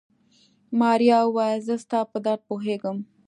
ماريا وويل زه ستا په درد پوهېږم.